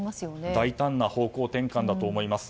大胆な方向転換だと思います。